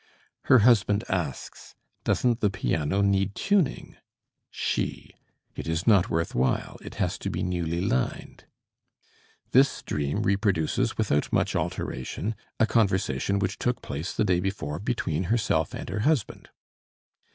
"Her husband asks, 'Doesn't the piano need tuning?' She: 'It is not worth while; it has to be newly lined.'" This dream reproduces without much alteration a conversation which took place the day before between herself and her husband.